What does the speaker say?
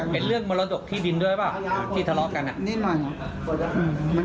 เป็นเรื่องบรรดกที่ดินด้วยหรือเปล่า